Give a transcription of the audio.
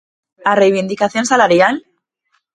¿A reivindicación salarial?